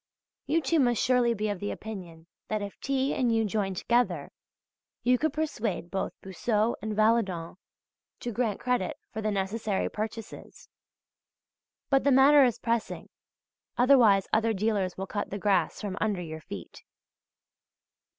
You, too, must surely be of the opinion that if T. and you join together you could persuade both Boussod and Valadon to grant credit for the necessary purchases. But the matter is pressing, otherwise other dealers will cut the grass from under your feet.